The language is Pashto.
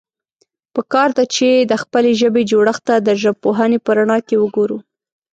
پکار ده، چې د خپلې ژبې جوړښت ته د ژبپوهنې په رڼا کې وګورو.